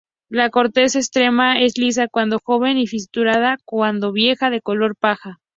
La corteza externa es lisa cuando joven y fisurada cuando vieja, de color paja.